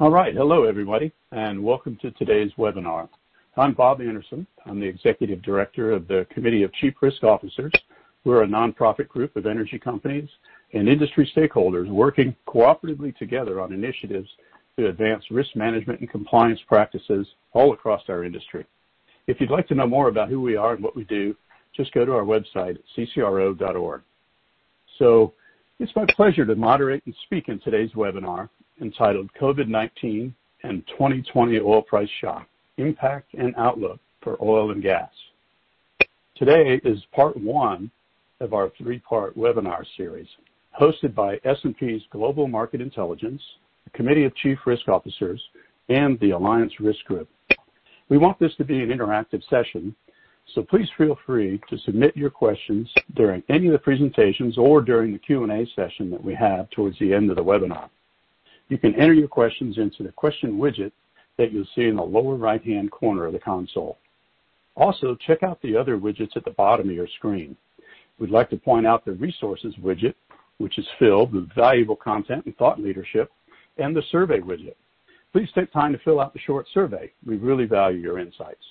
All right. Hello everybody, and welcome to today's webinar. I'm Bob Anderson. I'm the Executive Director of the Committee of Chief Risk Officers. We're a nonprofit group of energy companies and industry stakeholders working cooperatively together on initiatives to advance risk management and compliance practices all across our industry. If you'd like to know more about who we are and what we do, just go to our website at ccro.org. It's my pleasure to moderate and speak in today's webinar entitled COVID-19 and 2020 Oil Price Shock: Impact and Outlook for Oil and Gas. Today is part one of our three-part webinar series hosted by S&P Global Market Intelligence, the Committee of Chief Risk Officers, and the Alliance Risk Group. We want this to be an interactive session, please feel free to submit your questions during any of the presentations or during the Q&A session that we have towards the end of the webinar. You can enter your questions into the question widget that you'll see in the lower right-hand corner of the console. Check out the other widgets at the bottom of your screen. We'd like to point out the resources widget, which is filled with valuable content and thought leadership, and the survey widget. Please take time to fill out the short survey. We really value your insights.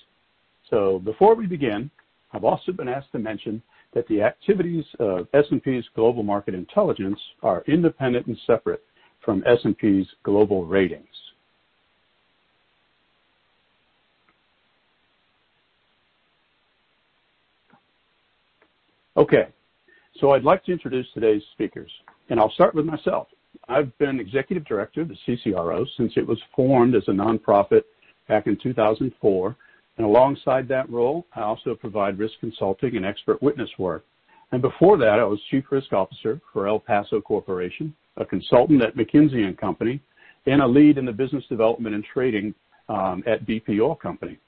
Before we begin, I've also been asked to mention that the activities of S&P Global Market Intelligence are independent and separate from S&P Global Ratings. I'd like to introduce today's speakers, and I'll start with myself. I've been Executive Director of the CCRO since it was formed as a nonprofit back in 2004. Alongside that role, I also provide risk consulting and expert witness work. Before that, I was Chief Risk Officer for El Paso Corporation, a consultant at McKinsey & Company, and a lead in the business development and trading at BP Oil Company.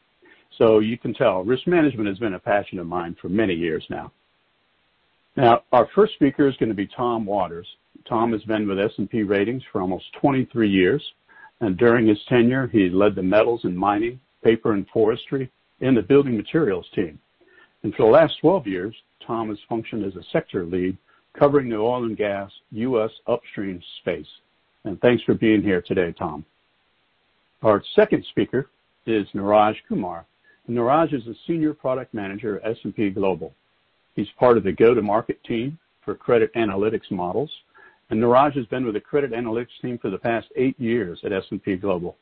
You can tell risk management has been a passion of mine for many years now. Our first speaker is going to be Tom Watters. Tom has been with S&P Ratings for almost 23 years. During his tenure, he led the metals and mining, paper and forestry, and the building materials team. For the last 12 years, Tom has functioned as a sector lead, covering the oil and gas, U.S. upstream space. Thanks for being here today, Tom. Our second speaker is Neeraj Kumar. Neeraj is a senior product manager at S&P Global. He's part of the go-to-market team for Credit Analytics models. Neeraj has been with the Credit Analytics team for the past eight years at S&P Global.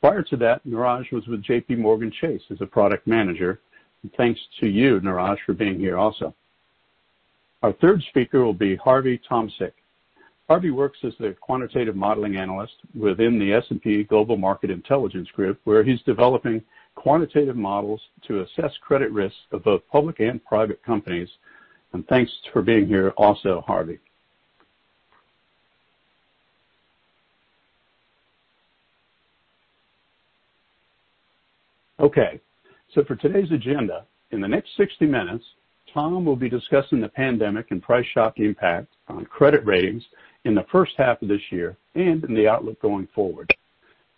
Prior to that, Neeraj was with JPMorgan Chase as a product manager. Thanks to you, Neeraj, for being here also. Our third speaker will be Harvey Tomczyk. Harvey works as the quantitative modeling analyst within S&P Global Market Intelligence, where he's developing quantitative models to assess credit risk of both public and private companies. Thanks for being here also, Harvey. For today's agenda, in the next 60 minutes, Tom will be discussing the pandemic and price shock impact on credit ratings in the first half of this year and in the outlook going forward.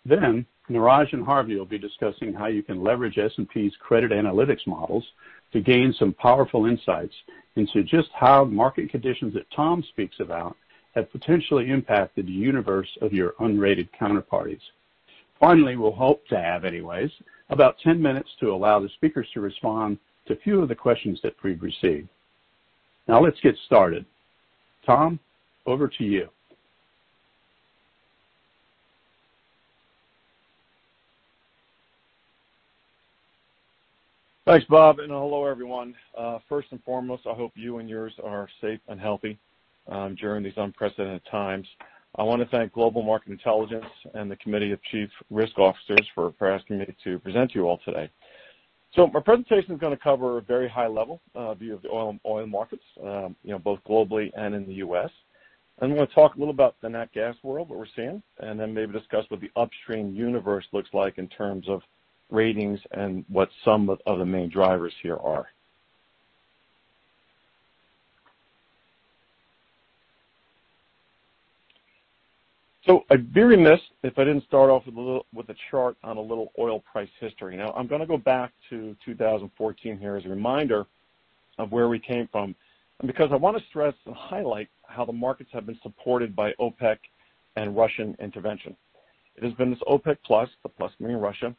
Then Neeraj and Harvey will be discussing how you can leverage S&P's Credit Analytics models to gain some powerful insights into just how market conditions that Tom speaks about have potentially impacted the universe of your unrated counterparties. Finally, we'll hope to have anyways, about 10 minutes to allow the speakers to respond to few of the questions that we've received. Now let's get started. Tom, over to you. Thanks, Bob, and hello, everyone. First and foremost, I hope you and yours are safe and healthy during these unprecedented times. I want to thank Global Market Intelligence and the Committee of Chief Risk Officers for asking me to present to you all today. My presentation is going to cover a very high-level view of the oil markets, both globally and in the U.S. I'm going to talk a little about the nat gas world, what we're seeing, and then maybe discuss what the upstream universe looks like in terms of ratings and what some of the main drivers here are. I'd be remiss if I didn't start off with a chart on a little oil price history. I'm going to go back to 2014 here as a reminder of where we came from, because I want to stress and highlight how the markets have been supported by OPEC and Russian intervention. It has been this OPEC+, the plus meaning Russia,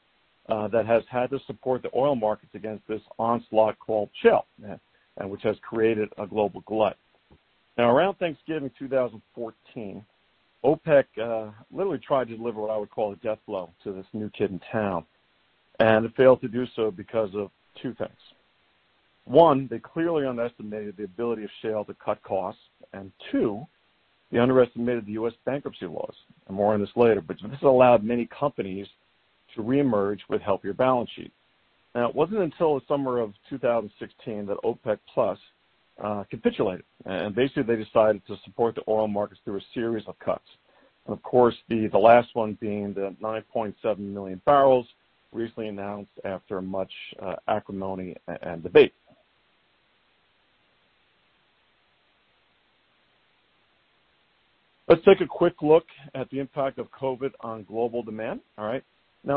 that has had to support the oil markets against this onslaught called shale, and which has created a global glut. Around Thanksgiving 2014, OPEC literally tried to deliver what I would call a death blow to this new kid in town, and it failed to do so because of two things. One, they clearly underestimated the ability of shale to cut costs, and two, they underestimated the U.S. bankruptcy laws. More on this later, but this allowed many companies to reemerge with healthier balance sheets. Now, it wasn't until the summer of 2016 that OPEC+ capitulated, and basically they decided to support the oil markets through a series of cuts. Of course, the last one being the 9.7 million barrels recently announced after much acrimony and debate. Let's take a quick look at the impact of COVID-19 on global demand. All right?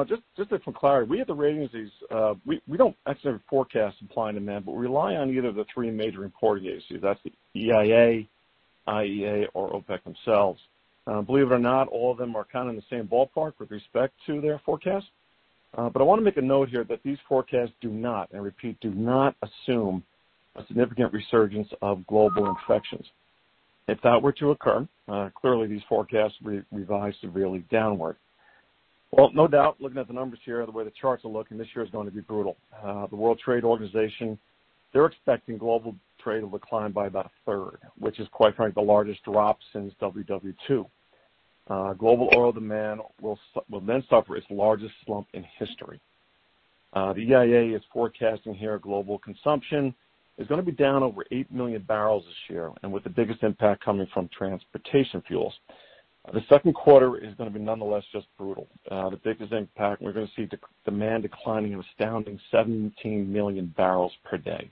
Just for clarity, we at the ratings, we don't actually ever forecast supply and demand, but we rely on either of the three major reporting agencies. That's the EIA, IEA or OPEC themselves. Believe it or not, all of them are kind of in the same ballpark with respect to their forecast. I want to make a note here that these forecasts do not, and repeat, do not assume a significant resurgence of global infections. If that were to occur, clearly these forecasts revise severely downward. No doubt, looking at the numbers here, the way the charts are looking, this year is going to be brutal. The World Trade Organization, they're expecting global trade to decline by about a third, which is, quite frankly, the largest drop since WW2. Global oil demand will suffer its largest slump in history. The EIA is forecasting here global consumption is going to be down over 8 million barrels this year, and with the biggest impact coming from transportation fuels. The second quarter is going to be nonetheless just brutal. The biggest impact, we're going to see demand declining an astounding 17 million barrels per day.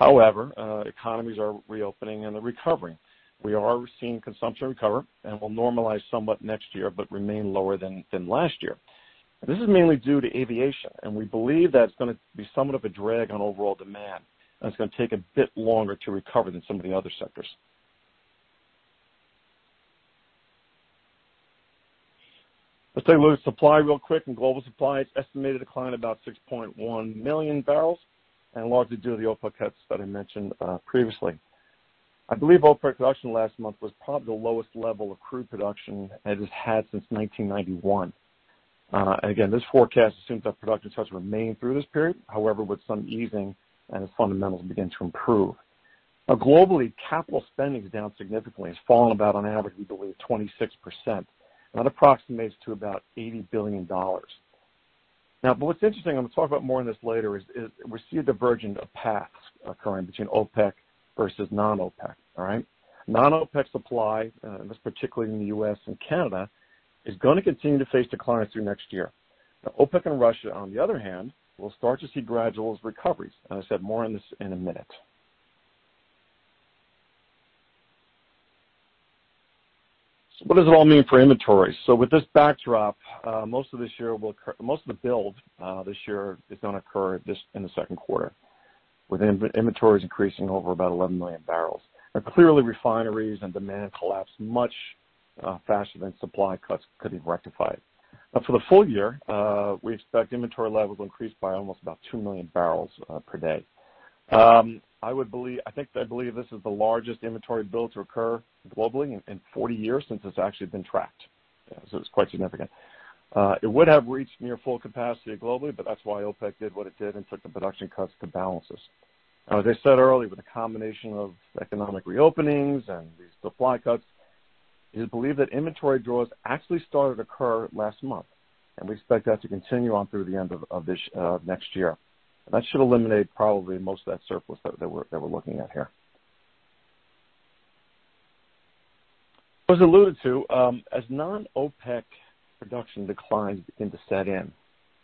Economies are reopening and they're recovering. We are seeing consumption recover, and will normalize somewhat next year, but remain lower than last year. This is mainly due to aviation, and we believe that it's going to be somewhat of a drag on overall demand, and it's going to take a bit longer to recover than some of the other sectors. Let's take a look at supply real quick. Global supply is estimated to decline about 6.1 million barrels, and largely due to the OPEC cuts that I mentioned previously. I believe OPEC production last month was probably the lowest level of crude production as it's had since 1991. Again, this forecast assumes that production starts to remain through this period, however, with some easing and as fundamentals begin to improve. Now globally, capital spending is down significantly and has fallen about on average, we believe, 26%, and that approximates to about $80 billion. What's interesting, I'm going to talk about more on this later, is we see a divergence of paths occurring between OPEC versus non-OPEC. All right? Non-OPEC supply, and this particularly in the U.S. and Canada, is going to continue to face declines through next year. OPEC and Russia, on the other hand, will start to see gradual recoveries. As I said, more on this in a minute. What does it all mean for inventory? With this backdrop, most of the build this year is going to occur in the second quarter, with inventories increasing over about 11 million barrels. Clearly refineries and demand collapsed much faster than supply cuts could be rectified. For the full year, we expect inventory levels will increase by almost about two million barrels per day. I believe this is the largest inventory build to occur globally in 40 years since it's actually been tracked. It's quite significant. It would have reached near full capacity globally, but that's why OPEC did what it did and took the production cuts to balance this. As I said earlier, with a combination of economic reopenings and these supply cuts, it is believed that inventory draws actually started to occur last month, and we expect that to continue on through the end of next year. That should eliminate probably most of that surplus that we're looking at here. As alluded to, as non-OPEC production declines begin to set in,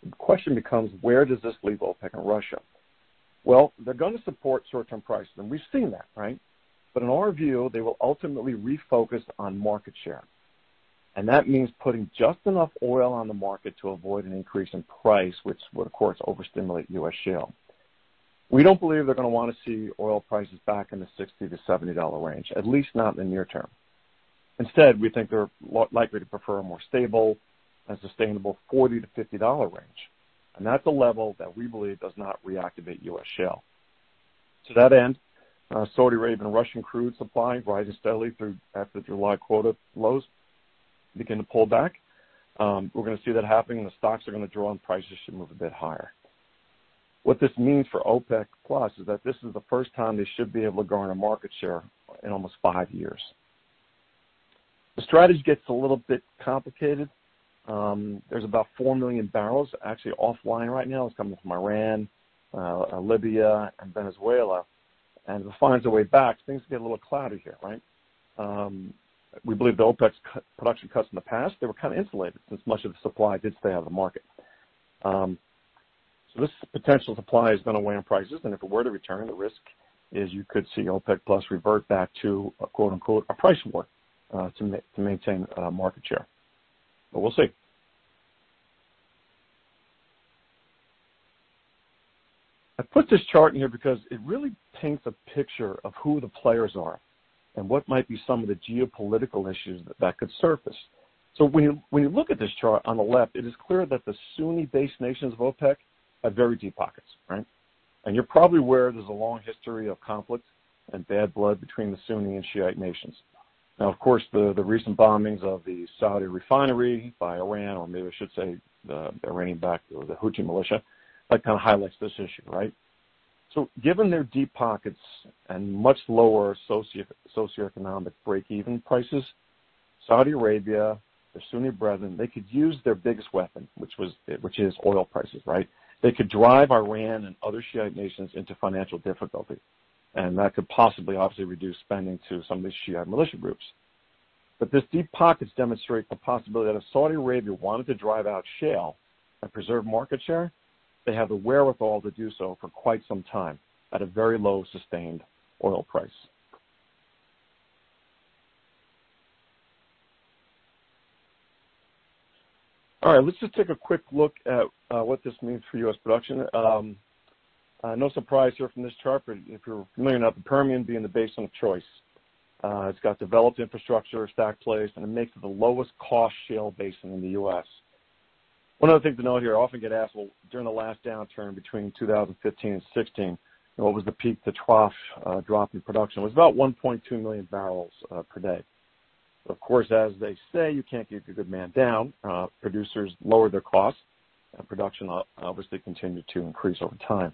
the question becomes: Where does this leave OPEC and Russia? Well, they're going to support short-term prices, and we've seen that, right? In our view, they will ultimately refocus on market share. That means putting just enough oil on the market to avoid an increase in price, which would, of course, overstimulate U.S. shale. We don't believe they're going to want to see oil prices back in the $60-$70 range, at least not in the near term. Instead, we think they're likely to prefer a more stable and sustainable $40-$50 range. That's a level that we believe does not reactivate U.S. shale. To that end, Saudi Arabian and Russian crude supply rising steadily through after the July quota lows begin to pull back. We're going to see that happening, and the stocks are going to draw and prices should move a bit higher. What this means for OPEC+ is that this is the first time they should be able to gain a market share in almost five years. The strategy gets a little bit complicated. There's about four million barrels actually offline right now. It's coming from Iran, Libya, and Venezuela. As it finds a way back, things get a little cloudy here, right? We believe the OPEC's production cuts in the past, they were kind of insulated since much of the supply did stay out of the market. This potential supply has been a weight on prices, and if it were to return, the risk is you could see OPEC+ revert back to a quote unquote, "a price war" to maintain market share. We'll see. I put this chart in here because it really paints a picture of who the players are and what might be some of the geopolitical issues that could surface. When you look at this chart on the left, it is clear that the Sunni-based nations of OPEC have very deep pockets, right? You're probably aware there's a long history of conflict and bad blood between the Sunni and Shiite nations. Of course, the recent bombings of the Saudi refinery by Iran, or maybe I should say the Iranian-backed Houthi militia, that kind of highlights this issue, right? Given their deep pockets and much lower socioeconomic break-even prices, Saudi Arabia, their Sunni brethren, they could use their biggest weapon, which is oil prices, right? They could drive Iran and other Shiite nations into financial difficulty, and that could possibly, obviously, reduce spending to some of these Shiite militia groups. These deep pockets demonstrate the possibility that if Saudi Arabia wanted to drive out shale and preserve market share. They have the wherewithal to do so for quite some time at a very low sustained oil price. All right. Let's just take a quick look at what this means for U.S. production. No surprise here from this chart, if you're familiar enough with the Permian being the basin of choice. It's got developed infrastructure, stacked plays, and it makes it the lowest cost shale basin in the U.S. One of the things to note here, I often get asked, well, during the last downturn between 2015 and 2016, what was the peak-to-trough drop in production? It was about 1.2 million barrels per day. Of course, as they say, you can't keep a good man down. Producers lowered their costs, and production obviously continued to increase over time.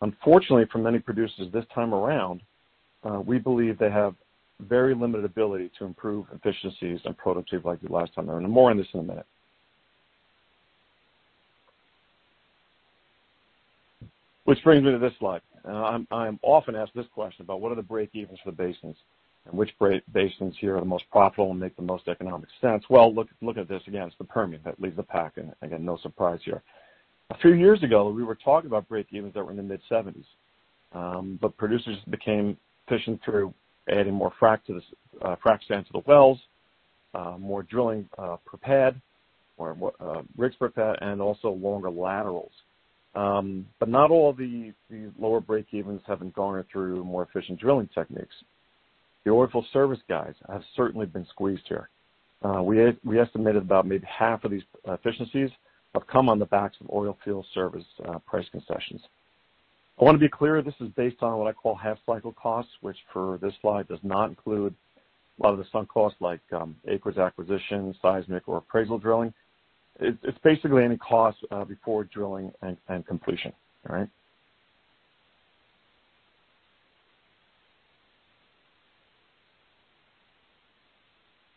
Unfortunately, for many producers this time around, we believe they have very limited ability to improve efficiencies and productivity like the last time. More on this in a minute. Which brings me to this slide. I'm often asked this question about what are the breakevens for the basins, and which basins here are the most profitable and make the most economic sense. Looking at this, again, it's the Permian that leads the pack, and again, no surprise here. A few years ago, we were talking about breakevens that were in the mid-70s. Producers became efficient through adding more fracs into the wells, more drilling per pad, more rigs per pad, and also longer laterals. Not all these lower breakevens have been garnered through more efficient drilling techniques. The oilfield service guys have certainly been squeezed here. We estimated about maybe half of these efficiencies have come on the backs of oilfield service price concessions. I want to be clear, this is based on what I call half-cycle costs, which for this slide does not include a lot of the sunk costs like acres acquisition, seismic, or appraisal drilling. It's basically any cost before drilling and completion. All right?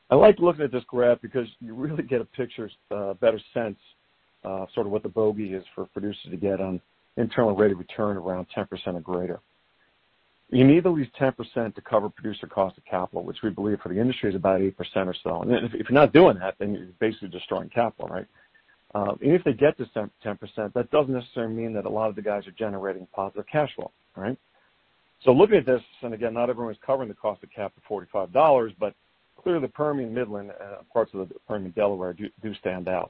I like looking at this graph because you really get a picture, a better sense, sort of what the bogey is for producers to get on internal rate of return around 10% or greater. You need at least 10% to cover producer cost of capital, which we believe for the industry is about 8% or so. If you're not doing that, then you're basically destroying capital, right? Even if they get to 10%, that doesn't necessarily mean that a lot of the guys are generating positive cash flow. All right? Looking at this, and again, not everyone's covering the cost of capital at $45, but clearly the Permian Midland and parts of the Permian Delaware do stand out.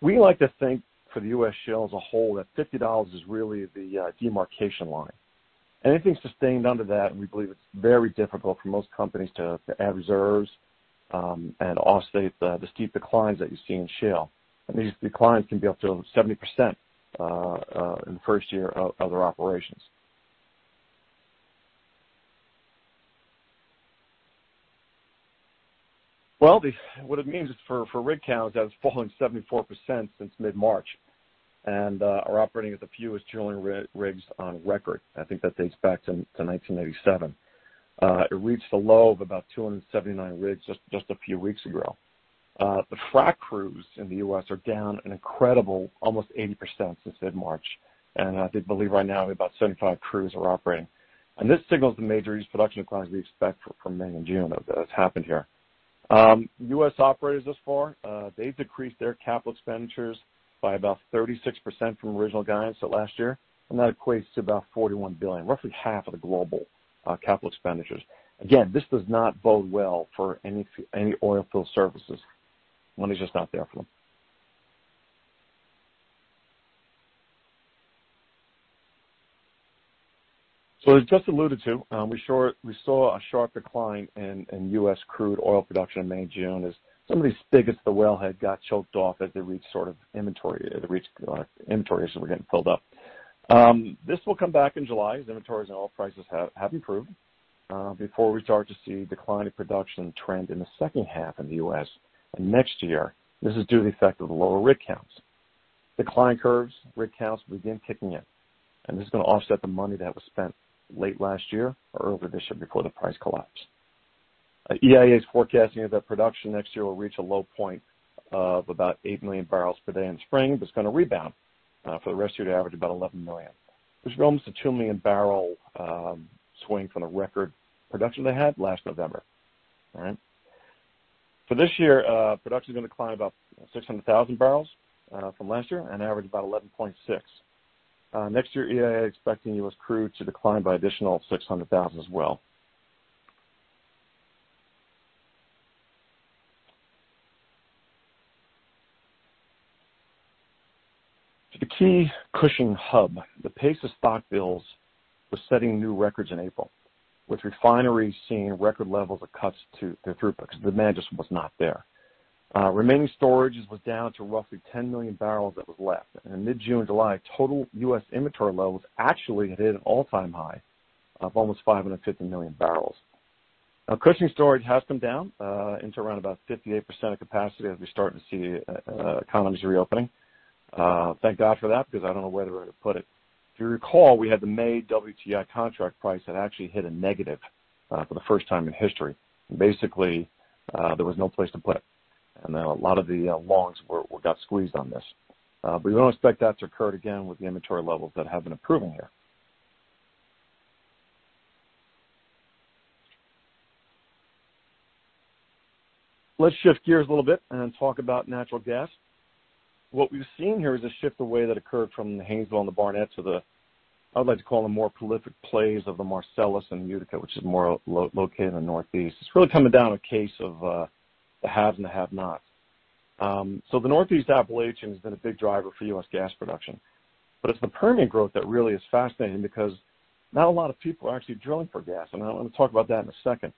We like to think for the U.S. shale as a whole, that $50 is really the demarcation line. Anything sustained under that, and we believe it's very difficult for most companies to add reserves, and offset the steep declines that you see in shale. These declines can be up to 70% in the first year of their operations. Well, what it means is for rig counts, that was falling 74% since mid-March, and are operating at the fewest drilling rigs on record. I think that dates back to 1997. It reached a low of about 279 rigs just a few weeks ago. The frac crews in the U.S. are down an incredible almost 80% since mid-March. I believe right now, about 75 crews are operating. This signals the major huge production declines we expect for May and June that has happened here. U.S. operators thus far, they've decreased their capital expenditures by about 36% from original guidance last year. That equates to about $41 billion, roughly half of the global capital expenditures. Again, this does not bode well for any oilfield services. Money's just not there for them. As just alluded to, we saw a sharp decline in U.S. crude oil production in May and June as some of these spigots at the wellhead got choked off as they reached sort of inventory, or inventories were getting filled up. This will come back in July as inventories and oil prices have improved, before we start to see declining production trend in the second half in the U.S. and next year. Decline curves, rig counts will begin kicking in, and this is going to offset the money that was spent late last year or early this year before the price collapse. EIA is forecasting that production next year will reach a low point of about 8 million barrels per day in spring, but it's going to rebound for the rest of the year to average about 11 million, which is almost a 2 million-barrel swing from the record production they had last November. All right. For this year, production is going to decline about 600,000 bbl from last year and average about 11.6. Next year, EIA expecting U.S. crude to decline by additional 600,000 as well. To the key Cushing hub, the pace of stock builds was setting new records in April, with refineries seeing record levels of cuts to their throughput, the demand just was not there. Remaining storage was down to roughly 10 million barrels that was left. In mid-June, July, total U.S. inventory levels actually hit an all-time high of almost 550 million barrels. Now, Cushing storage has come down, into around about 58% of capacity as we're starting to see economies reopening. Thank God for that, I don't know where they would have put it. If you recall, we had the May WTI contract price that actually hit a negative for the first time in history. Basically, there was no place to put it. A lot of the longs got squeezed on this. We don't expect that to occur again with the inventory levels that have been improving here. Let's shift gears a little bit and talk about natural gas. What we've seen here is a shift away that occurred from the Haynesville and the Barnett to the, I would like to call them, more prolific plays of the Marcellus and Utica, which is more located in the Northeast. It's really coming down a case of the haves and the have-nots. The Northeast Appalachian has been a big driver for U.S. gas production, but it's the Permian growth that really is fascinating because not a lot of people are actually drilling for gas, and I'm going to talk about that in a second.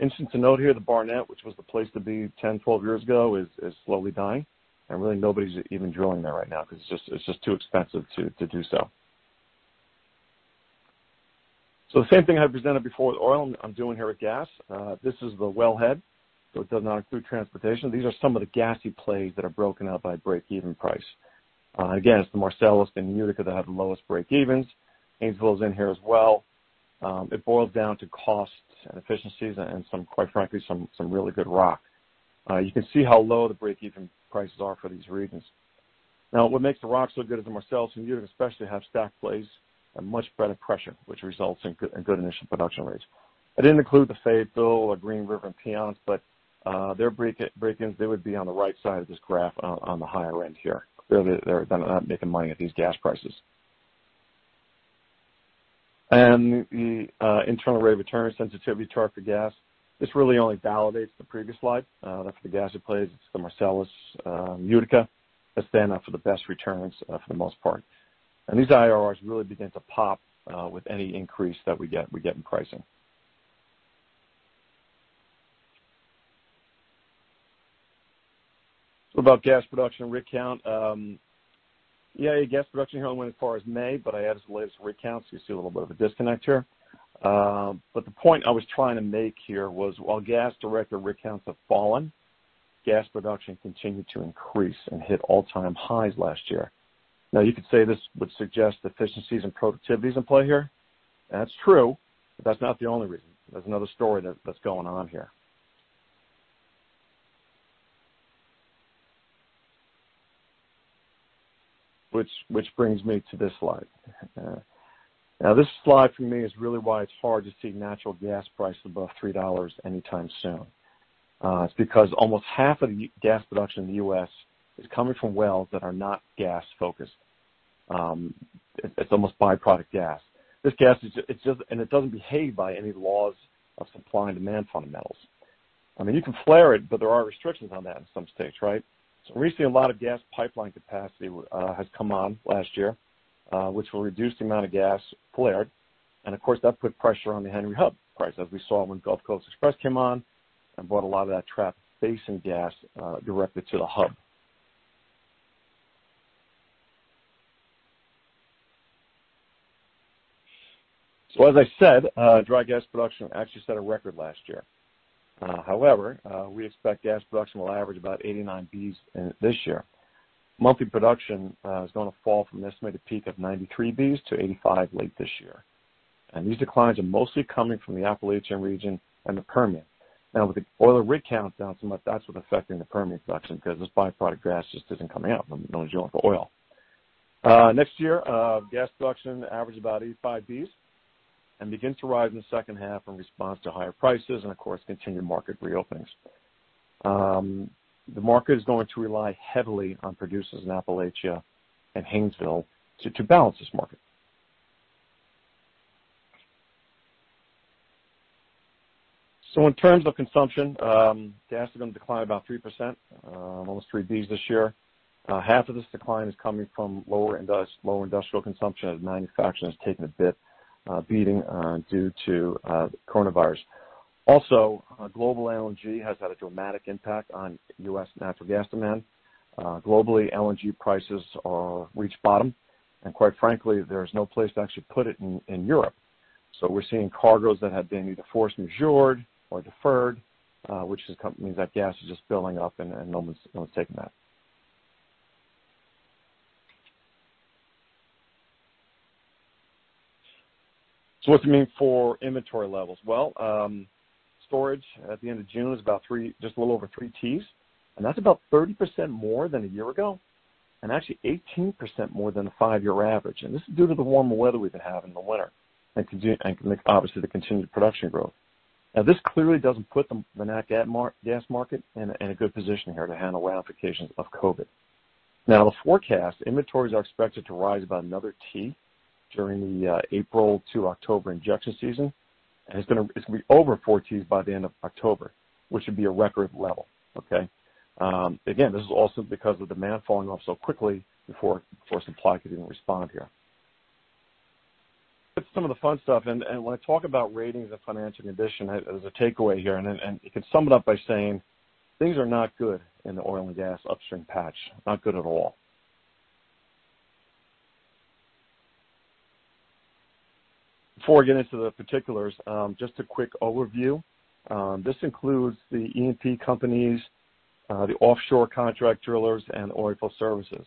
Interesting to note here, the Barnett, which was the place to be 10, 12 years ago, is slowly dying and really nobody's even drilling there right now because it's just too expensive to do so. The same thing I presented before with oil, and I'm doing here with gas. This is the wellhead, so it does not include transportation. These are some of the gassy plays that are broken out by breakeven price. Again, it's the Marcellus and Utica that have the lowest breakevens. Haynesville is in here as well. It boils down to cost and efficiencies and some, quite frankly, some really good rock. You can see how low the breakeven prices are for these regions. What makes the rock so good is the Marcellus and Utica especially have stack plays and much better pressure, which results in good initial production rates. I didn't include the Fayetteville or Green River and Piceance, their break-ins, they would be on the right side of this graph on the higher end here. Clearly, they're not making money at these gas prices. The internal rate of return sensitivity chart for gas, this really only validates the previous slide. That's for the gassy plays. It's the Marcellus, Utica that stand out for the best returns for the most part. These IRRs really begin to pop with any increase that we get in pricing. What about gas production rig count? Yeah, gas production here only went as far as May, I added some latest rig counts, you see a little bit of a disconnect here. The point I was trying to make here was while gas-directed rig counts have fallen, gas production continued to increase and hit all-time highs last year. Now, you could say this would suggest efficiencies and productivity is in play here. That's true, but that's not the only reason. There's another story that's going on here. Which brings me to this slide. Now, this slide for me is really why it's hard to see natural gas prices above $3 anytime soon. It's because almost half of the gas production in the U.S. is coming from wells that are not gas-focused. It's almost byproduct gas. This gas, and it doesn't behave by any laws of supply and demand fundamentals. I mean, you can flare it, but there are restrictions on that in some states, right? Recently, a lot of gas pipeline capacity has come on last year, which will reduce the amount of gas flared, and of course, that put pressure on the Henry Hub price, as we saw when Gulf Coast Express came on and brought a lot of that trapped basin gas directly to the hub. As I said, dry gas production actually set a record last year. However, we expect gas production will average about 89 Bcf/d this year. Monthly production is going to fall from an estimated peak of 93 Bcf/d-85 Bcf/d late this year. These declines are mostly coming from the Appalachian region and the Permian. Now, with the oil rig counts down so much, that's what's affecting the Permian production because this byproduct gas just isn't coming out when you're drilling for oil. Next year, gas production averages about 85 Bcf/d and begins to rise in the second half in response to higher prices and of course, continued market reopenings. The market is going to rely heavily on producers in Appalachia and Haynesville to balance this market. In terms of consumption, gas is going to decline about 3%, almost 3 Bcf/d this year. Half of this decline is coming from lower industrial consumption as manufacturing has taken a bit beating due to the coronavirus. Global LNG has had a dramatic impact on U.S. natural gas demand. Globally, LNG prices have reached bottom, quite frankly, there's no place to actually put it in Europe. We're seeing cargoes that have been either force majeure or deferred, which just means that gas is just building up and no one's taking that. What's it mean for inventory levels? Well, storage at the end of June is about just a little over 3 Tcf. That's about 30% more than a year ago and actually 18% more than a five-year average. This is due to the warmer weather we've been having in the winter and obviously the continued production growth. Now, this clearly doesn't put the nat gas market in a good position here to handle ramifications of COVID-19. Now, the forecast, inventories are expected to rise about another Tcf during the April to October injection season. It's going to be over 4 Tcf by the end of October, which would be a record level. Okay? Again, this is also because of demand falling off so quickly before supply could even respond here. Some of the fun stuff, when I talk about ratings and financial condition, as a takeaway here, you can sum it up by saying things are not good in the oil and gas upstream patch. Not good at all. Before I get into the particulars, just a quick overview. This includes the E&P companies, the offshore contract drillers, and oilfield services.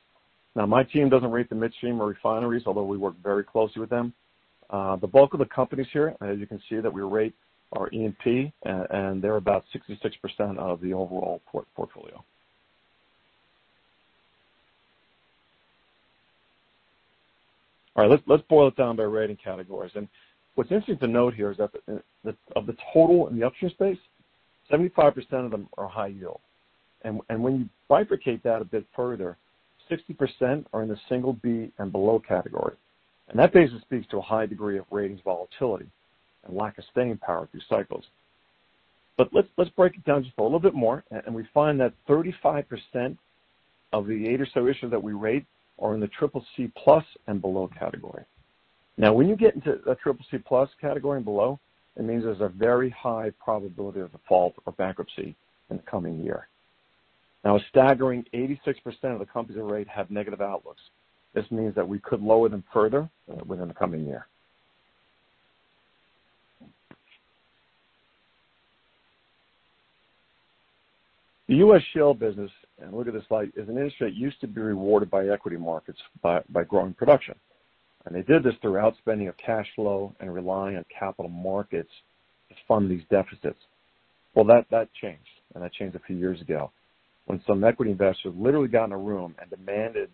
My team doesn't rate the midstream or refineries, although we work very closely with them. The bulk of the companies here, as you can see, that we rate are E&P, they're about 66% of the overall portfolio. All right. Let's boil it down by rating categories. What's interesting to note here is that of the total in the upstream space, 75% of them are high yield. When you bifurcate that a bit further, 60% are in the single B and below category. That basically speaks to a high degree of ratings volatility and lack of staying power through cycles. Let's break it down just a little bit more, and we find that 35% of the 80 or so issuers that we rate are in the triple C+ and below category. When you get into a triple C+ category and below, it means there's a very high probability of default or bankruptcy in the coming year. A staggering 86% of the companies we rate have negative outlooks. This means that we could lower them further within the coming year. The U.S. shale business, and look at this slide, is an industry that used to be rewarded by equity markets by growing production. They did this through outspending of cash flow and relying on capital markets to fund these deficits. Well, that changed, and that changed a few years ago when some equity investors literally got in a room and demanded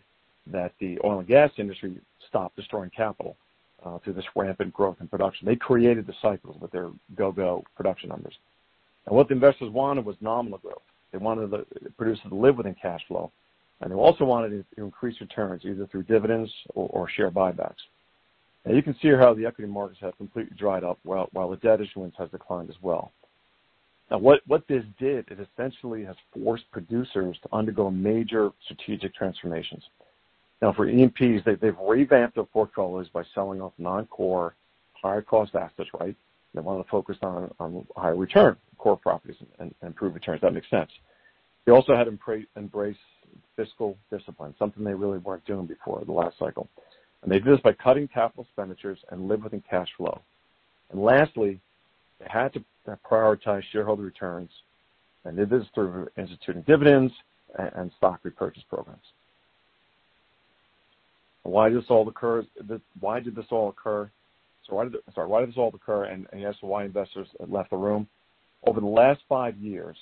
that the oil and gas industry stop destroying capital through this rampant growth in production. They created the cycle with their go-go production numbers. What the investors wanted was nominal growth. They wanted the producers to live within cash flow, and they also wanted increased returns, either through dividends or share buybacks. Now you can see here how the equity markets have completely dried up, while the debt issuance has declined as well. Now what this did is essentially has forced producers to undergo major strategic transformations. Now for E&Ps, they've revamped their portfolios by selling off non-core, higher-cost assets. They wanted to focus on higher return core properties and improve returns. That makes sense. They also had to embrace fiscal discipline, something they really weren't doing before the last cycle. They did this by cutting capital expenditures and living within cash flow. Lastly, they had to prioritize shareholder returns, and they did this through instituting dividends and stock repurchase programs. Why did this all occur? Sorry. Why did this all occur, and as to why investors left the room. Over the last five years,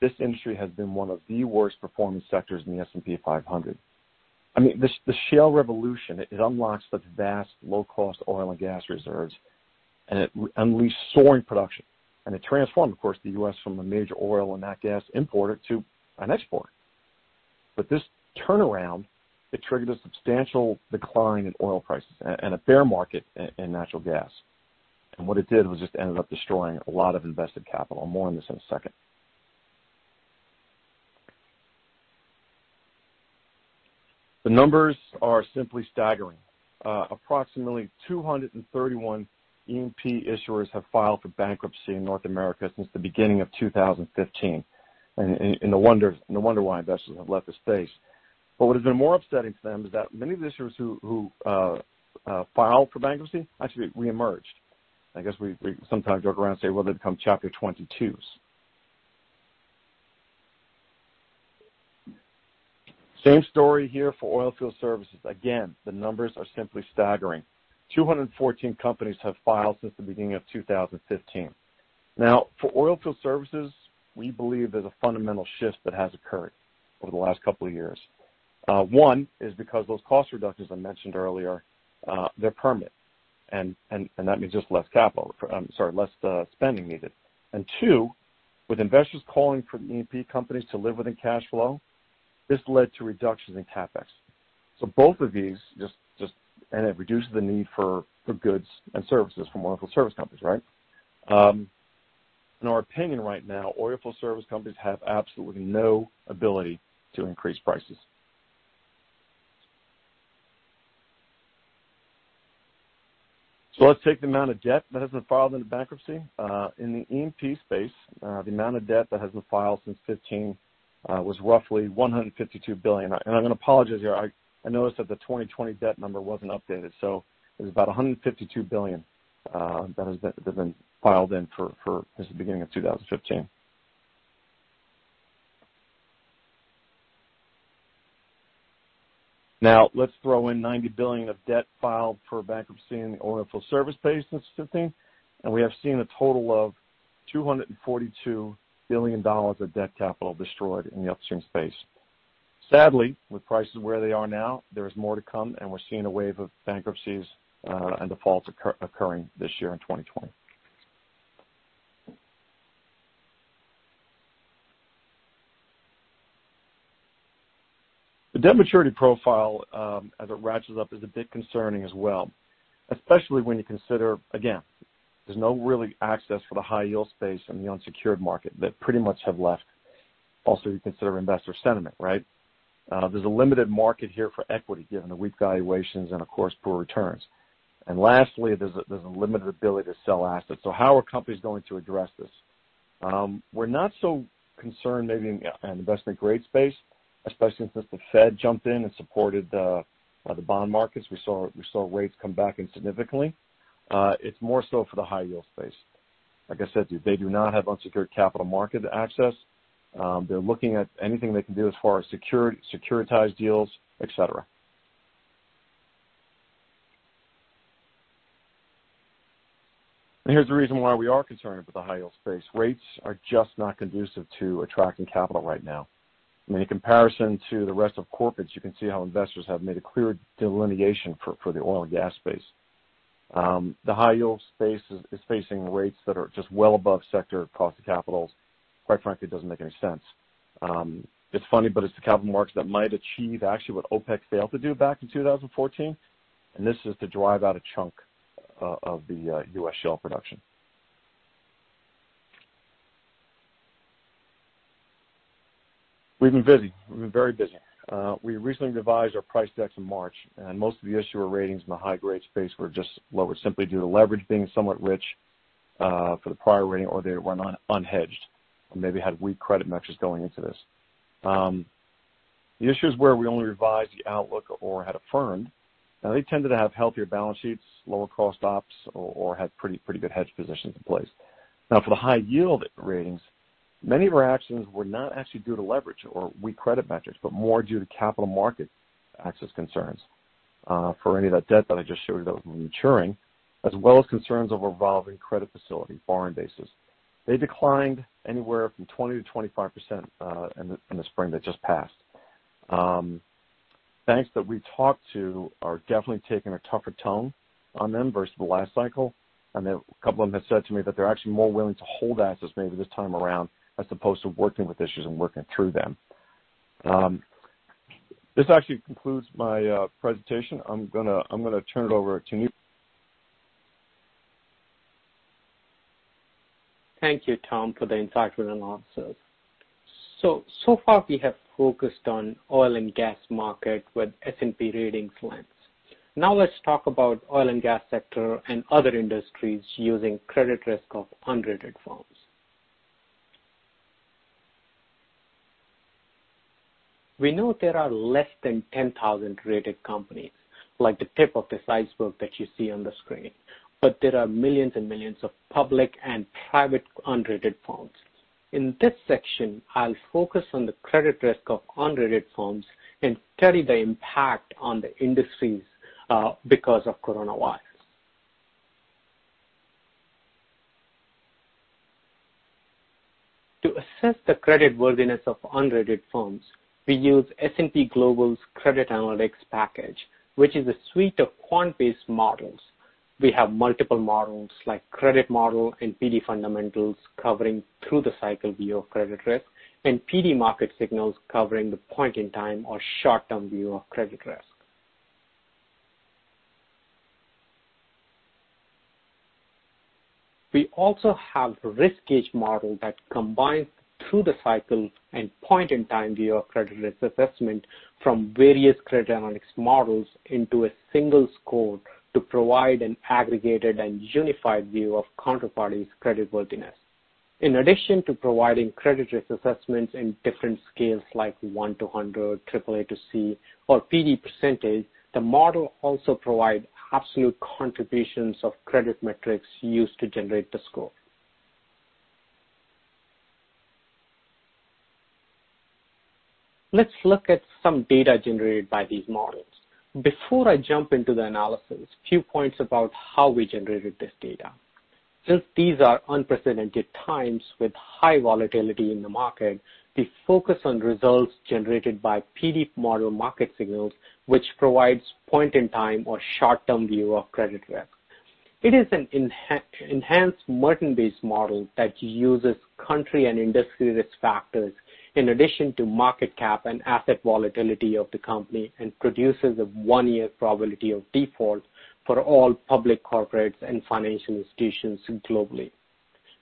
this industry has been one of the worst-performing sectors in the S&P 500. I mean, the shale revolution, it unlocks the vast low-cost oil and gas reserves, and it unleashed soaring production, and it transformed, of course, the U.S. from a major oil and gas importer to an exporter. This turnaround, it triggered a substantial decline in oil prices and a bear market in natural gas. What it did was just ended up destroying a lot of invested capital. More on this in a second. The numbers are simply staggering. Approximately 231 E&P issuers have filed for bankruptcy in North America since the beginning of 2015. No wonder why investors have left the space. What has been more upsetting to them is that many of the issuers who filed for bankruptcy actually reemerged. I guess we sometimes joke around and say, well, they become Chapter 22s. Same story here for oilfield services. Again, the numbers are simply staggering. 214 companies have filed since the beginning of 2015. Now, for oilfield services, we believe there's a fundamental shift that has occurred over the last couple of years. One is because those cost reductions I mentioned earlier, they're permanent, and that means just less spending needed. Two, with investors calling for the E&P companies to live within cash flow, this led to reductions in CapEx. Both of these and it reduces the need for goods and services from oilfield service companies. In our opinion right now, oilfield service companies have absolutely no ability to increase prices. Let's take the amount of debt that has been filed into bankruptcy. In the E&P space, the amount of debt that has been filed since 2015 was roughly $152 billion. I'm going to apologize here. I noticed that the 2020 debt number wasn't updated. It was about $152 billion that has been filed in since the beginning of 2015. Let's throw in $90 billion of debt filed for bankruptcy in the oilfield service space since 2015, and we have seen a total of $242 billion of debt capital destroyed in the upstream space. Sadly, with prices where they are now, there is more to come, and we're seeing a wave of bankruptcies and defaults occurring this year in 2020. The debt maturity profile, as it ratchets up, is a bit concerning as well, especially when you consider, again, there's no really access for the high-yield space in the unsecured market. They pretty much have left. You consider investor sentiment, right? There's a limited market here for equity, given the weak valuations and of course, poor returns. Lastly, there's a limited ability to sell assets. How are companies going to address this? We're not so concerned maybe in the investment-grade space, especially since the Fed jumped in and supported the bond markets. We saw rates come back in significantly. It's more so for the high-yield space. Like I said, they do not have unsecured capital market access. They're looking at anything they can do as far as securitized deals, et cetera. Here's the reason why we are concerned about the high yield space. Rates are just not conducive to attracting capital right now. I mean, in comparison to the rest of corporates, you can see how investors have made a clear delineation for the oil and gas space. The high yield space is facing rates that are just well above sector cost of capital. Quite frankly, it doesn't make any sense. It's funny, but it's the capital markets that might achieve actually what OPEC failed to do back in 2014, and this is to drive out a chunk of the U.S. shale production. We've been busy. We've been very busy. We recently revised our price decks in March, and most of the issuer ratings in the high-grade space were just lower, simply due to leverage being somewhat rich, for the prior rating, or they were unhedged and maybe had weak credit metrics going into this. The issues where we only revised the outlook or had affirmed tended to have healthier balance sheets, lower cost ops, or had pretty good hedge positions in place. For the high yield ratings, many of our actions were not actually due to leverage or weak credit metrics, but more due to capital market access concerns for any of that debt that I just showed you that was maturing, as well as concerns over revolving credit facility borrowing bases. They declined anywhere from 20%-25% in the spring that just passed. Banks that we talked to are definitely taking a tougher tone on them versus the last cycle. A couple of them have said to me that they're actually more willing to hold assets maybe this time around as opposed to working with issues and working through them. This actually concludes my presentation. I'm going to turn it over to you. Thank you, Tom, for the insightful analysis. So far we have focused on oil and gas market with S&P rating plans. Now let's talk about oil and gas sector and other industries using credit risk of unrated firms. We know there are less than 10,000 rated companies, like the tip of this iceberg that you see on the screen. There are millions and millions of public and private unrated firms. In this section, I'll focus on the credit risk of unrated firms and study the impact on the industries because of Coronavirus. To assess the credit worthiness of unrated firms, we use S&P Global's Credit Analytics package, which is a suite of quant-based models. We have multiple models like CreditModel and PD Model Fundamentals covering through the cycle view of credit risk and PD Model Market Signals covering the point in time or short-term view of credit risk. We also have RiskGauge Model that combines through the cycle and point-in-time view of credit risk assessment from various Credit Analytics models into a single score to provide an aggregated and unified view of counterparty's credit worthiness. In addition to providing credit risk assessments in different scales like 1-100, AAA to C, or PD percentage, the model also provide absolute contributions of credit metrics used to generate the score. Let's look at some data generated by these models. Before I jump into the analysis, few points about how we generated this data. Since these are unprecedented times with high volatility in the market, we focus on results generated by PD Model Market Signals, which provides point-in-time or short-term view of credit risk. It is an enhanced Merton-based model that uses country and industry risk factors in addition to market cap and asset volatility of the company and produces a one-year probability of default for all public corporates and financial institutions globally.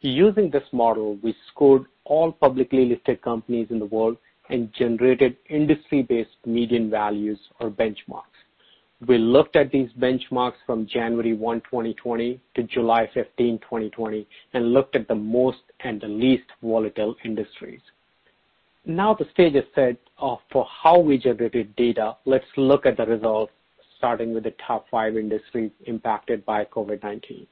Using this model, we scored all publicly listed companies in the world and generated industry-based median values or benchmarks. We looked at these benchmarks from January 1, 2020 to July 15, 2020 and looked at the most and the least volatile industries. The stage is set for how we generated data. Let's look at the results, starting with the top five industries impacted by COVID-19.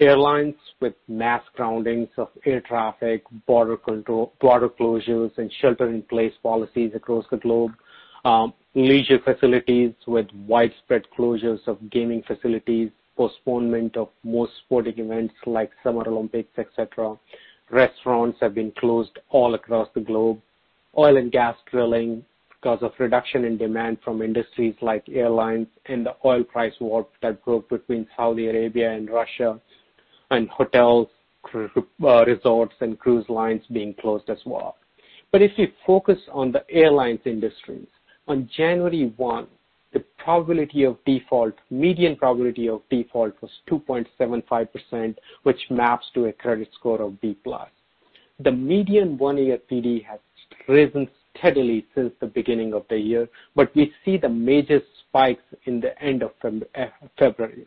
Airlines with mass groundings of air traffic, border closures, and shelter-in-place policies across the globe. Leisure facilities with widespread closures of gaming facilities, postponement of most sporting events like Summer Olympics, et cetera. Restaurants have been closed all across the globe. Oil and gas drilling because of reduction in demand from industries like airlines and the oil price war that broke between Saudi Arabia and Russia, and hotels, resorts, and cruise lines being closed as well. If we focus on the airlines industry, on January one, the probability of default, median probability of default was 2.75%, which maps to a credit score of B+. The median one-year PD has risen steadily since the beginning of the year, but we see the major spikes in the end of February.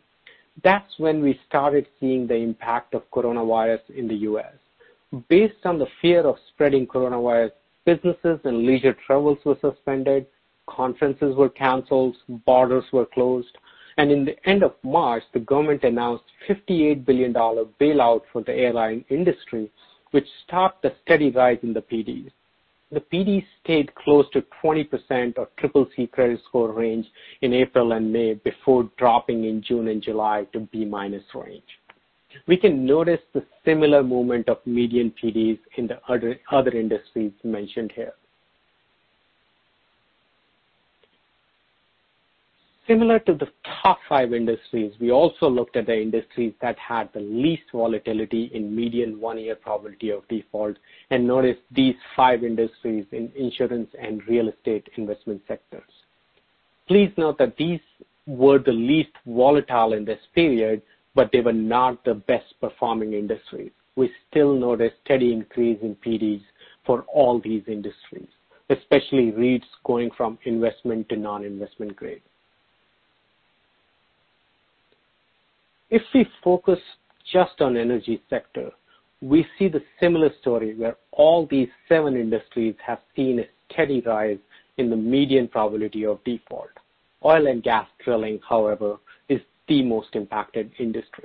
That's when we started seeing the impact of Coronavirus in the U.S. Based on the fear of spreading Coronavirus, businesses and leisure travels were suspended, conferences were canceled, borders were closed, and in the end of March, the government announced $58 billion bailout for the airline industry, which stopped the steady rise in the PD. The PD stayed close to 20% of CCC credit score range in April and May before dropping in June and July to B- range. We can notice the similar movement of median PDs in the other industries mentioned here. Similar to the top five industries, we also looked at the industries that had the least volatility in median one-year probability of default and noticed these five industries in insurance and real estate investment sectors. Please note that these were the least volatile in this period, but they were not the best-performing industry. We still notice a steady increase in PDs for all these industries, especially REITs going from investment to non-investment grade. If we focus just on energy sector, we see the similar story where all these seven industries have seen a steady rise in the median probability of default. Oil and gas drilling, however, is the most impacted industry.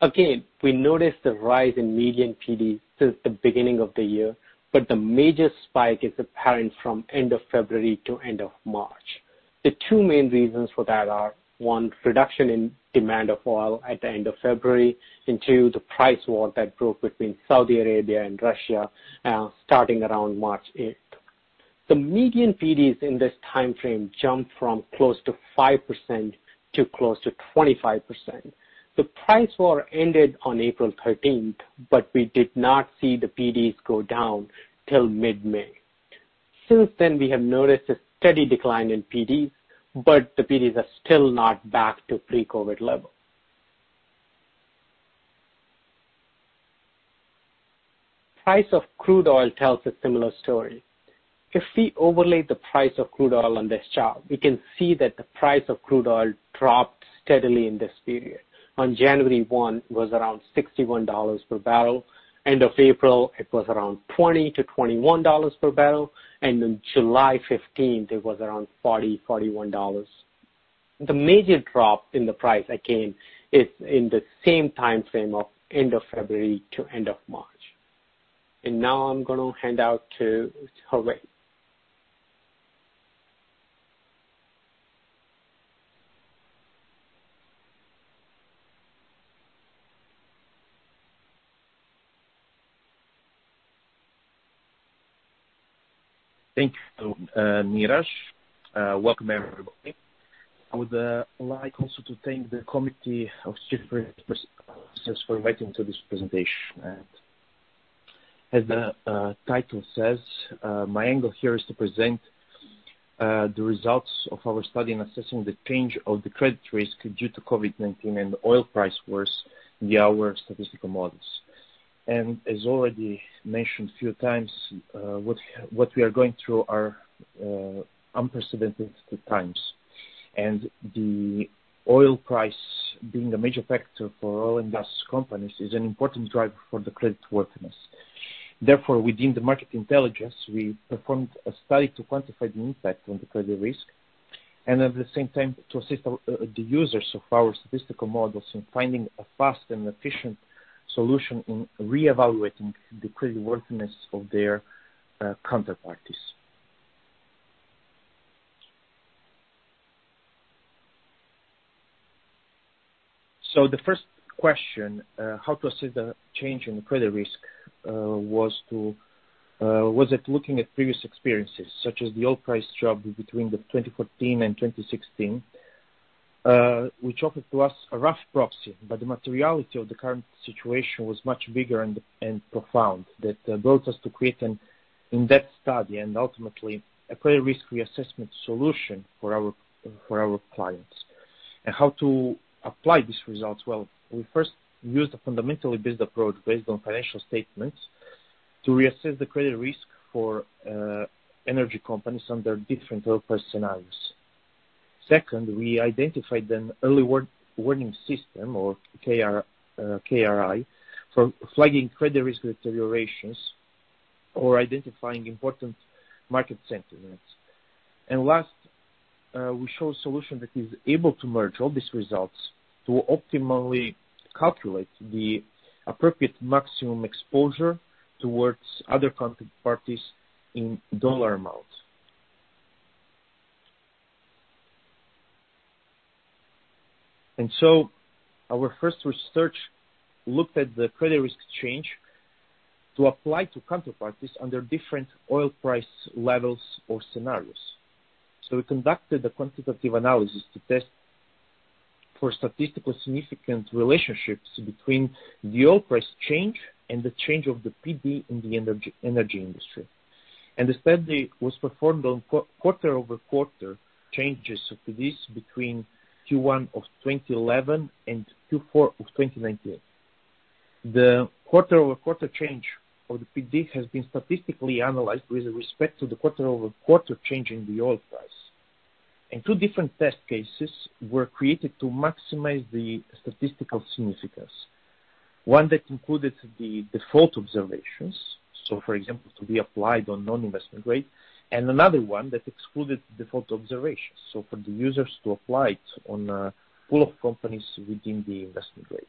Again, we notice the rise in median PD since the beginning of the year, but the major spike is apparent from end of February to end of March. The two main reasons for that are, one, reduction in demand of oil at the end of February, and two, the price war that broke between Saudi Arabia and Russia starting around March 8th. The median PDs in this timeframe jumped from close to 5% to close to 25%. The price war ended on April 13th, but we did not see the PDs go down till mid-May. Since then, we have noticed a steady decline in PDs, but the PDs are still not back to pre-COVID level. Price of crude oil tells a similar story. If we overlay the price of crude oil on this chart, we can see that the price of crude oil dropped steadily in this period. On January 1, it was around $61 per barrel. End of April, it was around $20-$21 per barrel, and on July 15th, it was around $40-$41. The major drop in the price, again, is in the same timeframe of end of February to end of March. Now I'm going to hand out to Harvey. Thank you, Neeraj. Welcome, everybody. I would like also to thank the committee of S&P for inviting to this presentation. As the title says, my angle here is to present the results of our study in assessing the change of the credit risk due to COVID-19 and the oil price wars via our statistical models. As already mentioned a few times, what we are going through are unprecedented times, and the oil price being a major factor for oil and gas companies is an important driver for the creditworthiness. Therefore, within the Market Intelligence, we performed a study to quantify the impact on the credit risk and at the same time to assist the users of our statistical models in finding a fast and efficient solution in reevaluating the creditworthiness of their counterparties. The first question, how to assess the change in credit risk, was it looking at previous experiences such as the oil price drop between the 2014 and 2016, which offered to us a rough proxy. The materiality of the current situation was much bigger and profound that brought us to create an in-depth study and ultimately a credit risk reassessment solution for our clients. How to apply these results? Well, we first used a fundamentally based approach based on financial statements to reassess the credit risk for energy companies under different oil price scenarios. Second, we identified an early warning system or KRI for flagging credit risk deteriorations or identifying important market sentiments. Last, we show a solution that is able to merge all these results to optimally calculate the appropriate maximum exposure towards other counterparties in dollar amounts. Our first research looked at the credit risk change to apply to counterparties under different oil price levels or scenarios. We conducted a quantitative analysis to test for statistical significant relationships between the oil price change and the change of the PD in the energy industry. The study was performed on quarter-over-quarter changes of PDs between Q1 of 2011 and Q4 of 2019. The quarter-over-quarter change of the PD has been statistically analyzed with respect to the quarter-over-quarter change in the oil price. Two different test cases were created to maximize the statistical significance. One that included the default observations, so for example, to be applied on non-investment grade, and another one that excluded default observations, so for the users to apply it on a pool of companies within the investment grade.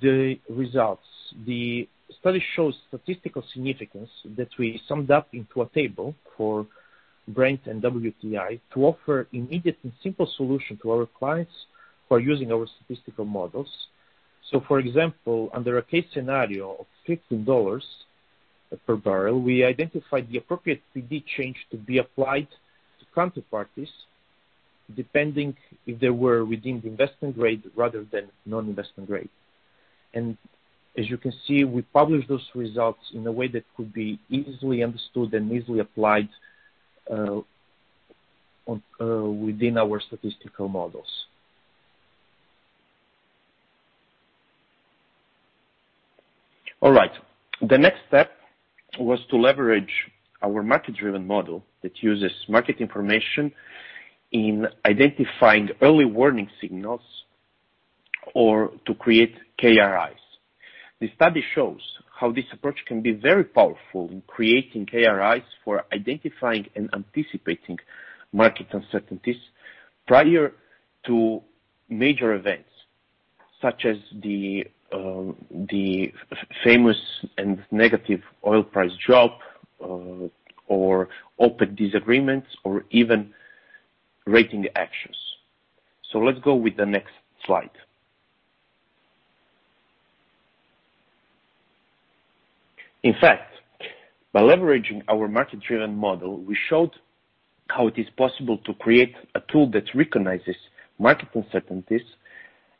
The results. The study shows statistical significance that we summed up into a table for Brent and WTI to offer immediate and simple solution to our clients who are using our statistical models. For example, under a case scenario of $15 per barrel, we identified the appropriate PD change to be applied to counterparties, depending if they were within the investment grade rather than non-investment grade. As you can see, we published those results in a way that could be easily understood and easily applied within our statistical models. All right. The next step was to leverage our market-driven model that uses market information in identifying early warning signals or to create KRIs. The study shows how this approach can be very powerful in creating KRIs for identifying and anticipating market uncertainties prior to major events, such as the famous and negative oil price drop, or OPEC disagreements, or even rating actions. Let's go with the next slide. In fact, by leveraging our market-driven model, we showed how it is possible to create a tool that recognizes market uncertainties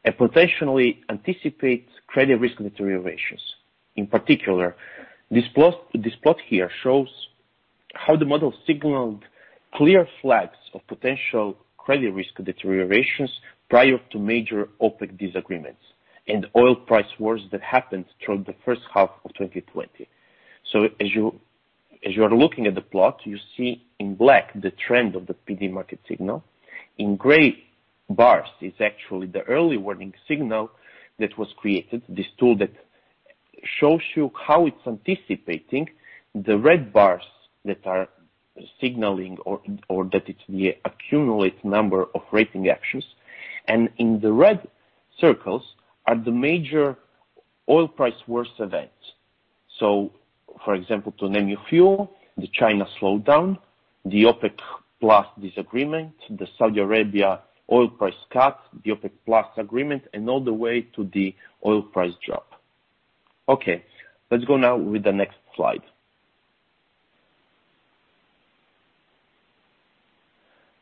and potentially anticipates credit risk deteriorations. In particular, this plot here shows how the model signaled clear flags of potential credit risk deteriorations prior to major OPEC disagreements and oil price wars that happened throughout the first half of 2020. As you are looking at the plot, you see in black the trend of the PD market signal. In gray bars is actually the early warning signal that was created, this tool that shows you how it's anticipating. The red bars that are signaling or that it accumulate number of rating actions, and in the red circles are the major oil price wars events. For example, to name a few, the China slowdown, the OPEC+ disagreement, the Saudi Arabia oil price cut, the OPEC+ agreement, and all the way to the oil price drop. Okay, let's go now with the next slide.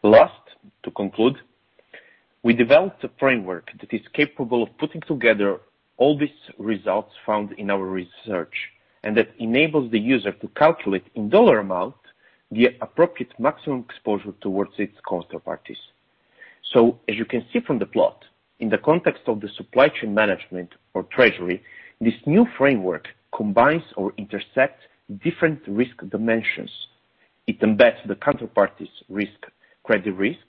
Last, to conclude, we developed a framework that is capable of putting together all these results found in our research, and that enables the user to calculate in dollar amount the appropriate maximum exposure towards its counterparties. As you can see from the plot, in the context of the supply chain management or treasury, this new framework combines or intersects different risk dimensions. It embeds the counterparties risk, credit risk,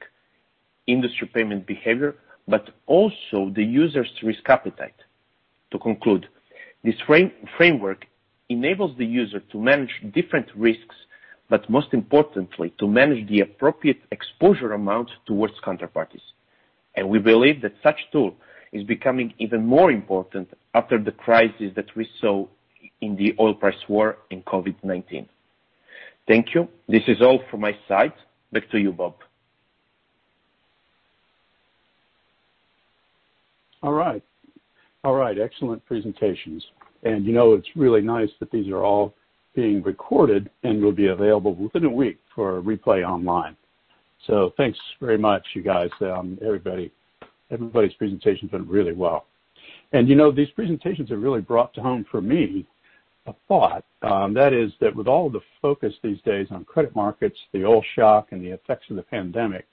industry payment behavior, but also the user's risk appetite. To conclude, this framework enables the user to manage different risks, but most importantly, to manage the appropriate exposure amount towards counterparties. We believe that such tool is becoming even more important after the crisis that we saw in the oil price war in COVID-19. Thank you. This is all from my side. Back to you, Bob. Excellent presentations. You know, it's really nice that these are all being recorded and will be available within a week for replay online. Thanks very much you guys. Everybody's presentations went really well. These presentations have really brought to home for me a thought, that is that with all the focus these days on credit markets, the oil shock, and the effects of the pandemic,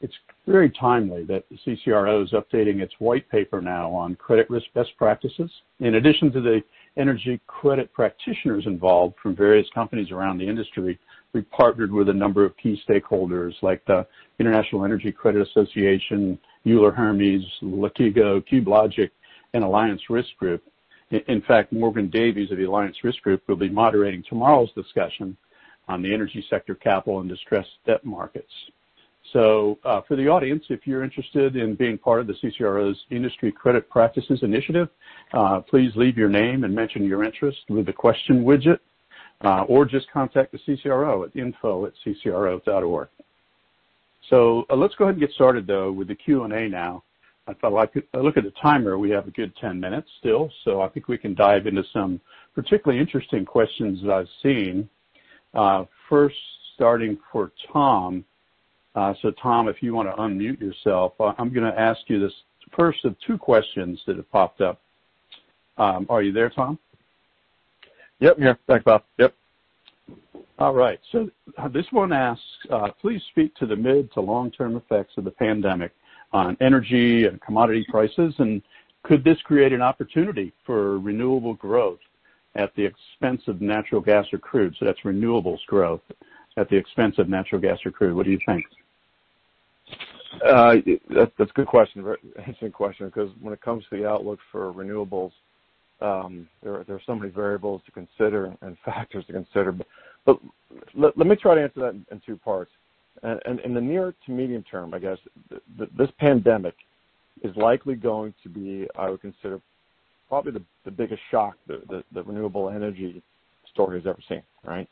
it's very timely that the CCRO is updating its white paper now on credit risk best practices. In addition to the energy credit practitioners involved from various companies around the industry, we've partnered with a number of key stakeholders like the International Energy Credit Association, Euler Hermes, Latigo, CubeLogic, and Alliance Risk Group. In fact, Morgan Davies of the Alliance Risk Group will be moderating tomorrow's discussion on the energy sector capital and distressed debt markets. For the audience, if you're interested in being part of the CCRO's Industry Credit Practices Initiative, please leave your name and mention your interest with the question widget, or just contact the CCRO at info@ccro.org. Let's go ahead and get started, though, with the Q&A now. I look at the timer, we have a good 10 minutes still, so I think we can dive into some particularly interesting questions that I've seen. First, starting for Tom. Tom, if you want to unmute yourself, I'm going to ask you the first of two questions that have popped up. Are you there, Tom? Yep, here. Thanks, Bob. Yep. All right. This one asks, please speak to the mid to long-term effects of the pandemic on energy and commodity prices, and could this create an opportunity for renewable growth at the expense of natural gas or crude? That's renewables growth at the expense of natural gas or crude. What do you think? That's a good question, Rick. Interesting question, because when it comes to the outlook for renewables, there are so many variables to consider and factors to consider. Let me try to answer that in two parts. In the near to medium term, I guess, this pandemic is likely going to be, I would consider, probably the biggest shock the renewable energy story has ever seen, right?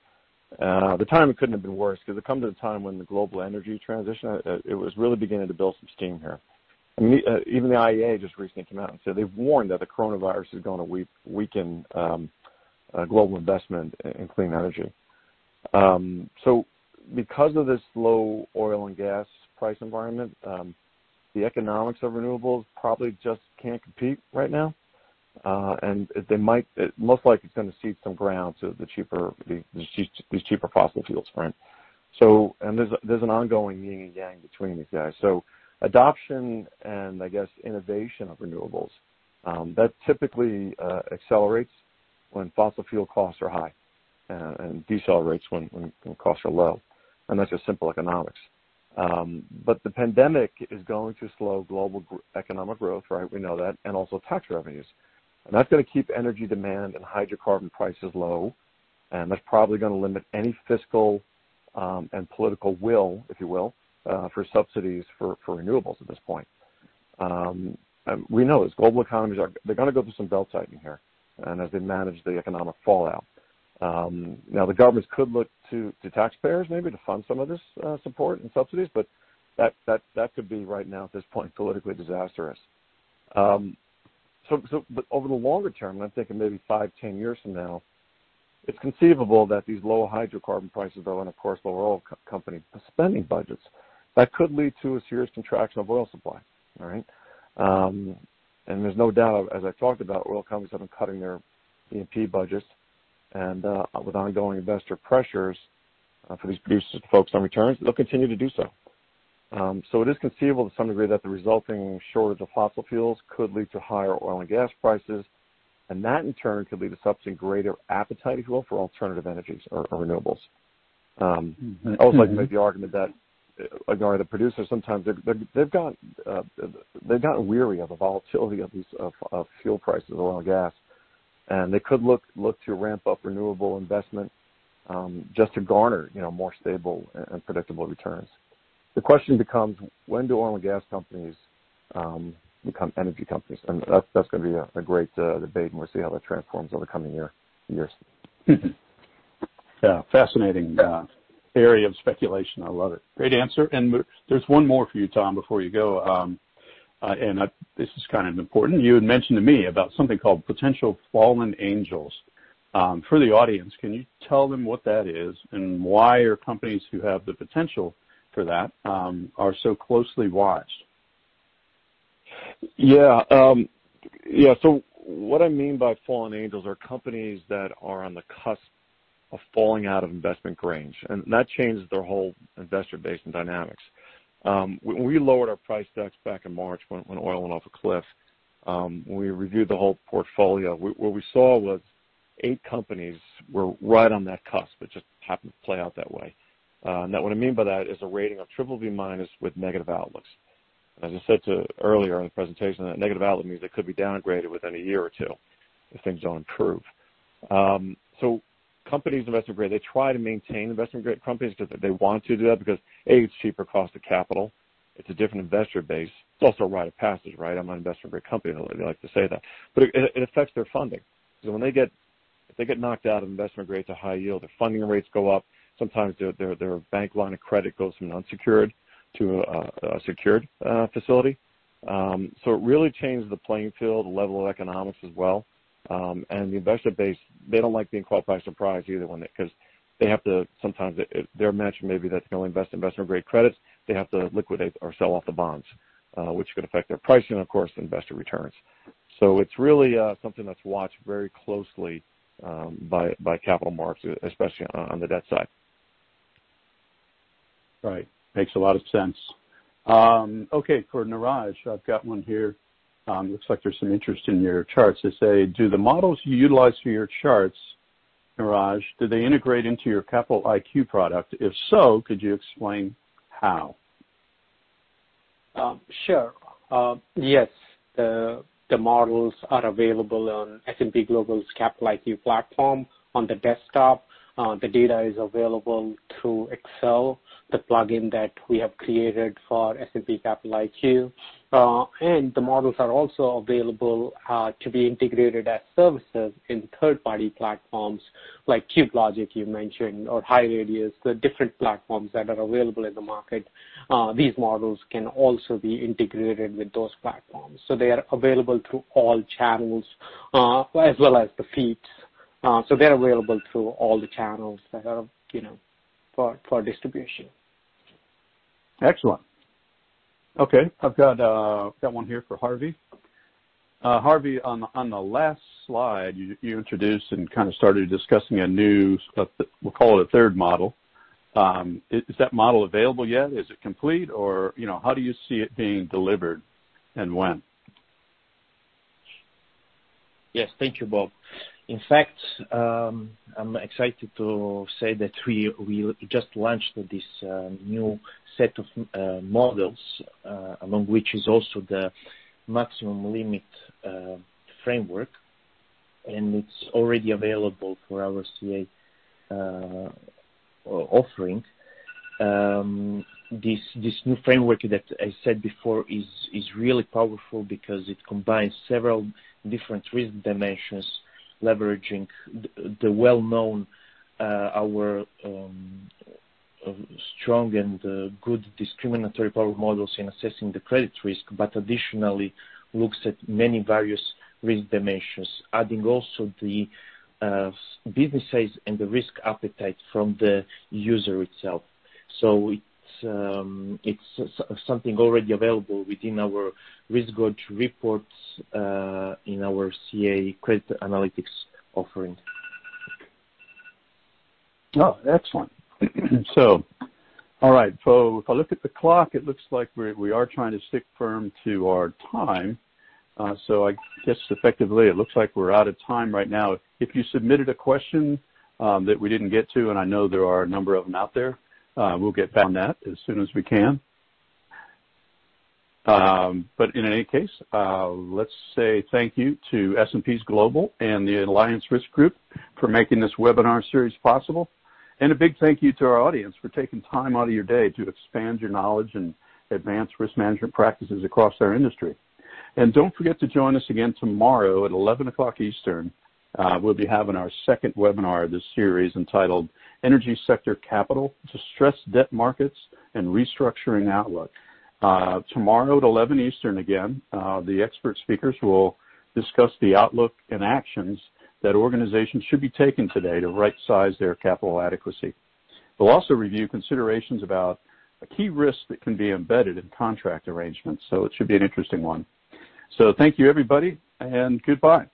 The timing couldn't have been worse, because it come to the time when the global energy transition, it was really beginning to build some steam here. I mean, even the IEA just recently came out and said they've warned that the coronavirus is going to weaken global investment in clean energy. Because of this low oil and gas price environment, the economics of renewables probably just can't compete right now. It most likely it's going to cede some ground to these cheaper fossil fuels, right? There's an ongoing yin and yang between these guys. Adoption and, I guess, innovation of renewables, that typically accelerates when fossil fuel costs are high and decelerates when costs are low. That's just simple economics. The pandemic is going to slow global economic growth, right, we know that, and also tax revenues. That's going to keep energy demand and hydrocarbon prices low, and that's probably going to limit any fiscal and political will, if you will, for subsidies for renewables at this point. We know, as global economies are, they're going to go through some belt-tightening here and as they manage the economic fallout. The governments could look to taxpayers maybe to fund some of this support and subsidies, but that could be, right now at this point, politically disastrous. Over the longer term, and I'm thinking maybe 5-10 years from now, it's conceivable that these low hydrocarbon prices are going to force the oil company spending budgets. That could lead to a serious contraction of oil supply, right? There's no doubt, as I've talked about, oil companies have been cutting their E&P budgets, and with ongoing investor pressures for these producers to focus on returns, they'll continue to do so. It is conceivable to some degree that the resulting shortage of fossil fuels could lead to higher oil and gas prices, and that, in turn, could lead to subsequent greater appetite, if you will, for alternative energies or renewables. I would like to make the argument that, again, the producers, sometimes they've gotten weary of the volatility of fuel prices of oil and gas, and they could look to ramp up renewable investment, just to garner more stable and predictable returns. The question becomes: When do oil and gas companies become energy companies? That's going to be a great debate, and we'll see how that transforms over the coming years. Yeah. Fascinating area of speculation. I love it. Great answer. There's one more for you, Tom, before you go. This is kind of important. You had mentioned to me about something called potential fallen angels. For the audience, can you tell them what that is, and why are companies who have the potential for that are so closely watched? What I mean by fallen angels are companies that are on the cusp of falling out of investment grade, and that changes their whole investor base and dynamics. When we lowered our price decks back in March when oil went off a cliff, when we reviewed the whole portfolio, what we saw was eight companies were right on that cusp. It just happened to play out that way. What I mean by that is a rating of triple B minus with negative outlooks. As I said earlier in the presentation, that negative outlook means it could be downgraded within a year or two if things don't improve. Companies, investor grade, they try to maintain investment-grade companies because they want to do that because, A, it's cheaper cost of capital. It's a different investor base. It's also a rite of passage, right? I'm an investor of a great company," they like to say that. It affects their funding because if they get knocked out of investment grade to high yield, their funding rates go up. Sometimes their bank line of credit goes from unsecured to a secured facility. It really changes the playing field, the level of economics as well. The investor base, they don't like being caught by surprise either one, because they have to Sometimes their match, maybe that's only investor grade credits. They have to liquidate or sell off the bonds, which could affect their pricing and, of course, investor returns. It's really something that's watched very closely by capital markets, especially on the debt side. Right. Makes a lot of sense. Okay. For Neeraj, I've got one here. Looks like there's some interest in your charts. They say, "Do the models you utilize for your charts, Neeraj, do they integrate into your Capital IQ product? If so, could you explain how? Sure. Yes. The models are available on S&P Global's Capital IQ platform on the desktop. The data is available through Excel, the plugin that we have created for S&P Capital IQ. The models are also available to be integrated as services in third-party platforms like CubeLogic you mentioned, or HighRadius, the different platforms that are available in the market. These models can also be integrated with those platforms, so they are available through all channels, as well as the feeds. They're available through all the channels that are, you know, for distribution. Excellent. Okay, I've got one here for Harvey. Harvey, on the last slide, you introduced and kind of started discussing a new, we'll call it a third model. Is that model available yet? Is it complete, or how do you see it being delivered, and when? Yes. Thank you, Bob. In fact, I'm excited to say that we just launched this new set of models, among which is also the maximum limit framework, and it's already available for our CA offering. This new framework that I said before is really powerful because it combines several different risk dimensions, leveraging the well-known, our strong and good discriminatory power models in assessing the credit risk, but additionally looks at many various risk dimensions, adding also the business size and the risk appetite from the user itself. It's something already available within our risk reports in our CA Credit Analytics offering. Excellent. All right. If I look at the clock, it looks like we are trying to stick firm to our time. I guess effectively it looks like we're out of time right now. If you submitted a question that we didn't get to, I know there are a number of them out there, we'll get back on that as soon as we can. In any case, let's say thank you to S&P Global and the Alliance Risk Group for making this webinar series possible. A big thank you to our audience for taking time out of your day to expand your knowledge and advance risk management practices across our industry. Don't forget to join us again tomorrow at 11:00 A.M. Eastern. We'll be having our second webinar of this series entitled Energy Sector Capital: Distressed Debt Markets and Restructuring Outlook. Tomorrow at 11 Eastern again, the expert speakers will discuss the outlook and actions that organizations should be taking today to rightsize their capital adequacy. We'll also review considerations about a key risk that can be embedded in contract arrangements, so it should be an interesting one. Thank you, everybody, and goodbye.